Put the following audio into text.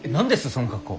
その格好。